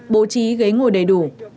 bố trí ghế ngồi đầy đủ